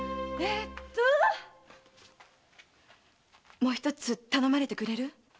もう一つ頼まれてくれる？